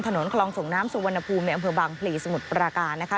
ถนนคลองส่งน้ำสุวรรณภูมิในอำเภอบางพลีสมุทรปราการนะคะ